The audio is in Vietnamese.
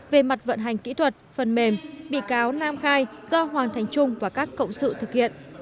về mặt vận hành kỹ thuật phần mềm bị cáo nam khai do hoàng thành trung và các cộng sự thực hiện